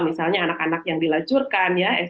misalnya anak anak yang dilacurkan ya